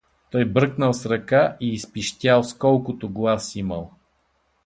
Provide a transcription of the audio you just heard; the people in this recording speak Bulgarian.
Той бръкнал с ръка и изпищял с колкото глас имал.